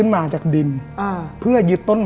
มีเหนือ